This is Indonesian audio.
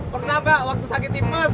pernah mbak waktu sakit tim mas